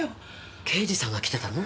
刑事さんが来てたの？